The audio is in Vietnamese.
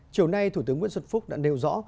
chiều nay thủ tướng nguyễn xuân phúc đã nêu rõ